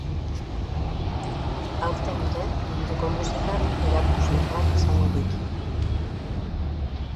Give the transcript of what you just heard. Aurten ere munduko musikak erakusle ugari izango ditu.